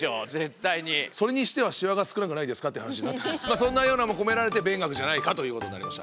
そんなようなのも込められて勉学じゃないかということになりました。